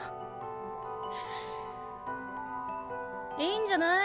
いいんじゃない？